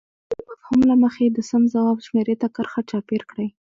د مفهوم له مخې د سم ځواب شمیرې ته کرښه چاپېر کړئ.